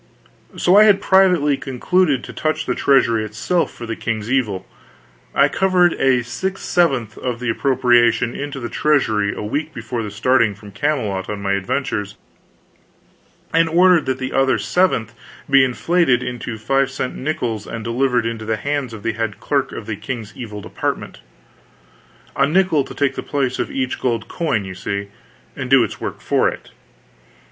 So I had privately concluded to touch the treasury itself for the king's evil. I covered six sevenths of the appropriation into the treasury a week before starting from Camelot on my adventures, and ordered that the other seventh be inflated into five cent nickels and delivered into the hands of the head clerk of the King's Evil Department; a nickel to take the place of each gold coin, you see, and do its work for it.